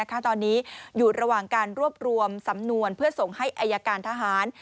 ตอนนี้อยู่ระหว่างการรวบรวมสำนวนเพื่อส่งให้อายการทหาร